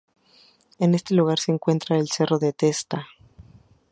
En este lugar se encuentra el cerro de la Testa.